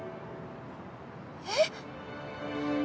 えっ？